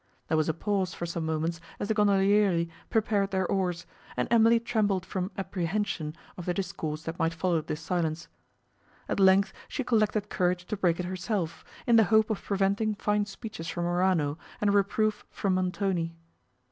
There was a pause for some moments as the gondolieri prepared their oars, and Emily trembled from apprehension of the discourse that might follow this silence. At length she collected courage to break it herself, in the hope of preventing fine speeches from Morano, and reproof from Montoni.